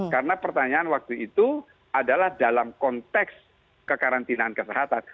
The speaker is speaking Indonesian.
karena pertanyaan waktu itu adalah dalam konteks kekarantinaan kesehatan